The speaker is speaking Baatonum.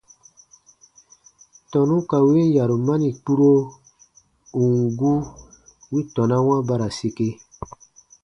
Tɔnu ka win yarumani kpuro, ù n gu, wi tɔnawa ba ra sike.